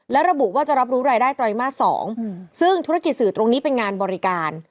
และระบุว่าจะรับรู้รายได้ไตรมาส๒ซึ่งธุรกิจสื่อตรงนี้เป็นงานบริการ